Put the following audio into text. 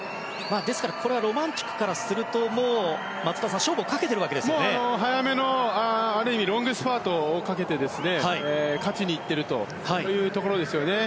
ですからロマンチュクからすると松田さん早めのある意味ロングスパートをかけて勝ちにいっているところですね。